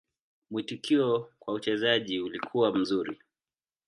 Mwitikio kwa uchezaji ulikuwa mzuri.